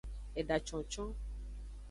Eda concon.